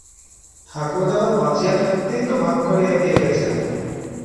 ঠাকুরদাদা বাঁচিয়া থাকিতেই তো ভাগ করিয়া দিয়া গেছেন।